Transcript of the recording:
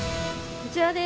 ◆こちらです。